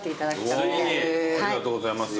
ついに！ありがとうございます。